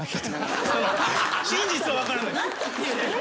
真実は分からないです。